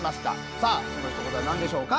さあその一言は何でしょうか？